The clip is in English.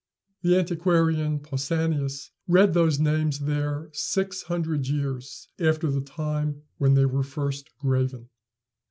The antiquarian Pausanias read those names there six hundred years after the time when they were first graven.